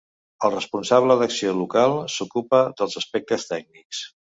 El responsable d'acció local s'ocupa dels aspectes tècnics.